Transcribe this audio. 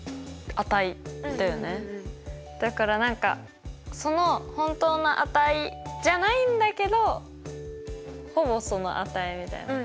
だから何かその本当の値じゃないんだけどほぼその値みたいな。